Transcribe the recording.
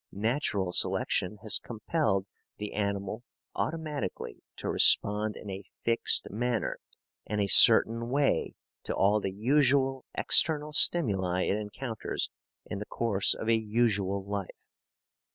Natural selection has compelled the animal automatically to respond in a fixed manner and a certain way to all the usual external stimuli it encounters in the course of a usual life.